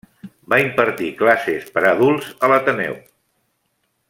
Va impartir classes per a adults a l'Ateneu.